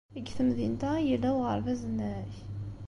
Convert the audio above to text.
Deg temdint-a ay yella uɣerbaz-nnek?